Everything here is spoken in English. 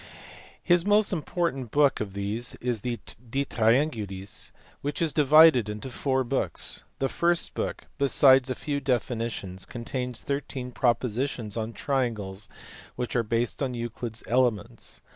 The most important of these is the De Trianyulis which is divided into four books. The first book, besides a few definitions, contains 13 propositions on triangles which are based on Euclid s Elements.